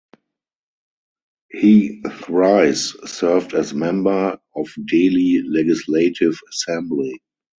He thrice served as member of Delhi Legislative Assembly.